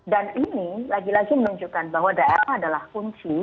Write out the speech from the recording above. dan ini lagi lagi menunjukkan bahwa daerah adalah kunci